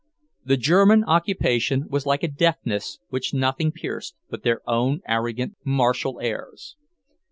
The German occupation was like a deafness which nothing pierced but their own arrogant martial airs.